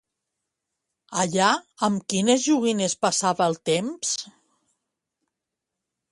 Allà, amb quines joguines passava el temps?